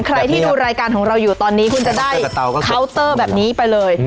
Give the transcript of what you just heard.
ใครที่ดูรายการของเราอยู่ตอนนี้คุณจะได้เคาน์เตอร์แบบนี้ไปเลย